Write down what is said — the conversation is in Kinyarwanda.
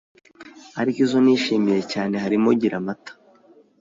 ariko izo nishimiye cyane harimo “Giramata”.